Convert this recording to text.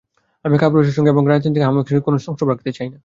আমি কাপুরুষদের সঙ্গে এবং রাজনৈতিক আহাম্মকির সঙ্গে কোন সংস্রব রাখতে চাই না।